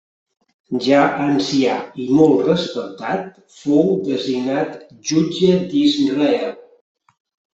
Ja ancià i molt respectat, fou designat Jutge d'Israel.